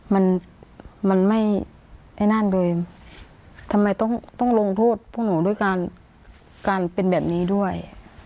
มันไม่ทำไมต้องลงโทษพวกหนูด้วยการเป็นแบบนี้ด้วย